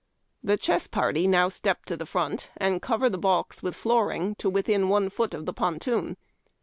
Tlie chess parti/ now step to the front and cover the balks with flooring to within one foot of the ponton.